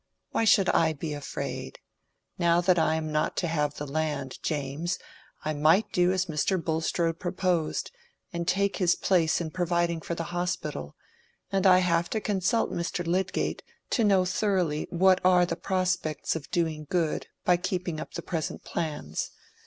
Why should I be afraid? Now that I am not to have the land, James, I might do as Mr. Bulstrode proposed, and take his place in providing for the Hospital; and I have to consult Mr. Lydgate, to know thoroughly what are the prospects of doing good by keeping up the present plans.